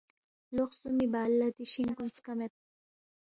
لو خسُومی بعد لہ دی شِنگ کُن سکمید